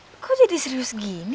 kenapa kamu jadi serius begini